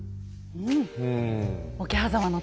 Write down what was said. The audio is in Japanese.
うん。